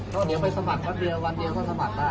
เพราะเดี๋ยวไปสมัครวันเดียววันเดียวก็สมัครได้